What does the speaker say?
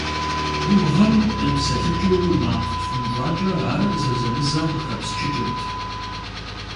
И бгъэм къипсэлъыкӀыу макъ тхъунщӀакӀэ ар зэзэмызэ къыхэпсчыкӀырт.